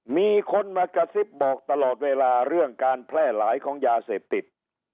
มีคนมากระซิบบอกตลอดเวลาเรื่องการแพร่หลายของยาเสพติด